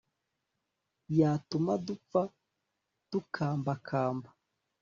Yatuma dupfa dukambakamba